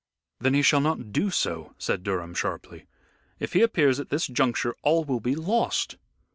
"Then he shall not do so," said Durham, sharply. "If he appears at this juncture all will be lost.